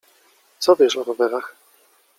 Co wiesz o rowerach?